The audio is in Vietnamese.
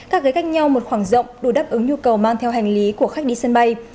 các ghế cách nhau một khoảng rộng đủ đáp ứng nhu cầu mang theo hành lý của khách đi sân bay